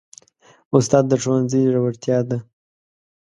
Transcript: استاد د ښوونځي زړورتیا ده.